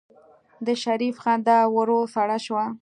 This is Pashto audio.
د شريف خندا ورو سړه شوه.